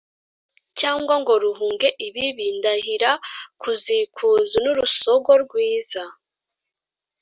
Cyangwa ngo ruhunge ibibi ndahira kuzikuzu n’urusogo rwiza